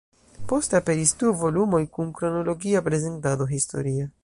Poste aperis du volumoj kun kronologia prezentado historia.